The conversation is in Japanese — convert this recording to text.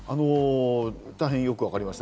大変よくわかりました。